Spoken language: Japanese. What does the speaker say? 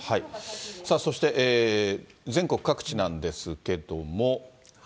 そして全国各地なんですけども。